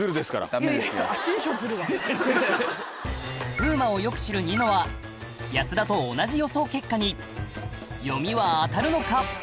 風磨をよく知るニノは安田と同じ予想結果に読みは当たるのか？